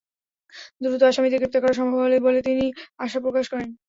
দ্রুত আসামিদের গ্রেপ্তার করা সম্ভব হবে বলে তিনি আশা প্রকাশ করেন।